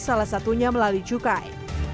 salah satunya melalui cukai